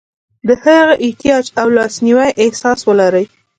د هغه احتیاج او لاسنیوي احساس ولري.